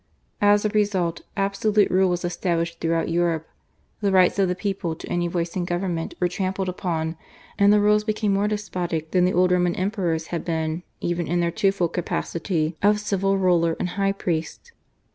As a result, absolute rule was established throughout Europe; the rights of the people to any voice in government were trampled upon, and the rules became more despotic than the old Roman Emperors had been even in their two fold capacity of civil ruler and high priest.